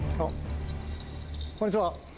こんにちは。